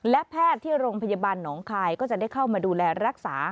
และแพทย์ที่โรงพยาบาลหนองคายก็จะได้เข้ามาดูแลรักษา